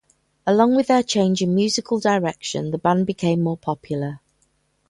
Along with their change in musical direction, the band became more popular.